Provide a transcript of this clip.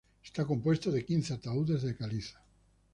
Está compuesto de quince ataúdes de caliza.